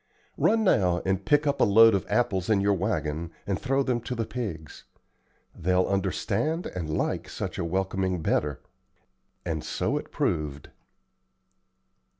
Run now and pick up a load of apples in your wagon and throw them to the pigs. They'll understand and like such a welcoming better;" and so it proved.